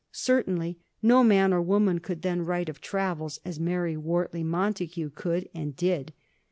Certainly no man or woman could then write of travels as Mary Wort ley Montagu could, and did.